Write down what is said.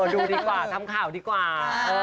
ดูดีกว่าทำข่าวดีกว่า